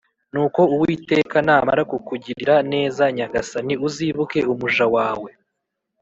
Nuko Uwiteka namara kukugirira neza Nyagasani, uzibuke umuja wawe.